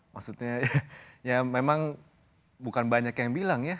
maksudnya ya memang bukan banyak yang bilang ya